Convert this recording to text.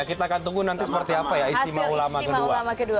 kita akan tunggu nanti seperti apa ya istimewa ulama kedua